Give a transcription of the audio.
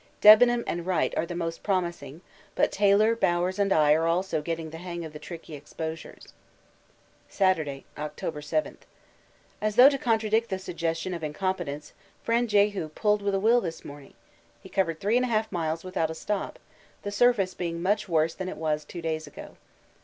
Debenham and Wright are the most promising, but Taylor, Bowers and I are also getting the hang of the tricky exposures. Saturday, October 7. As though to contradict the suggestion of incompetence, friend 'Jehu' pulled with a will this morning he covered 3 1/2 miles without a stop, the surface being much worse than it was two days ago.